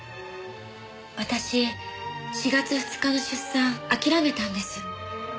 私４月２日の出産諦めたんです。